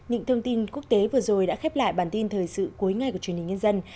những thông tin quốc tế vừa rồi đã khép lại bản tin thời sự cuối ngày của truyền hình nhân dân